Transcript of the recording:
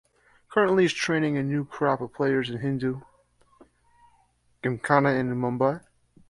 Currently he is training new crop of players in Hindu Gymkhana in Mumbai.